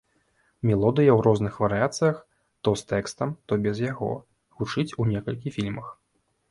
Мелодыя, у розных варыяцыях, то з тэкстам, то без яго, гучыць у некалькіх фільмах.